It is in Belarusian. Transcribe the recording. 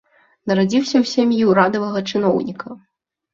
Нарадзіўся ў сям'і ўрадавага чыноўніка.